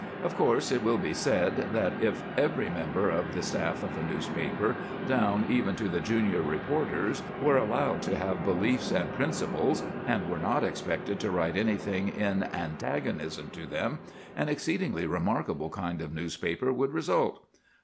Of course, it will be said that, if every member of the staff of a newspaper, down even to the junior reporters, were allowed to have beliefs and principles, and were not expected to write anything in antagonism to them, an exceedingly remarkable kind of newspaper would result.